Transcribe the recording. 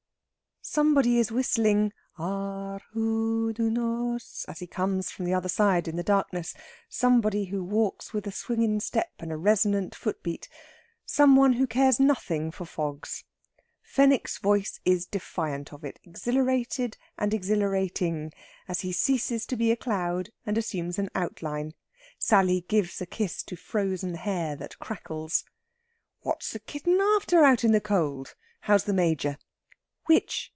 Somebody is whistling "Arr hyd y nos" as he comes from the other side in the darkness somebody who walks with a swinging step and a resonant foot beat, some one who cares nothing for fogs. Fenwick's voice is defiant of it, exhilarated and exhilarating, as he ceases to be a cloud and assumes an outline. Sally gives a kiss to frozen hair that crackles. "What's the kitten after, out in the cold? How's the Major?" "Which?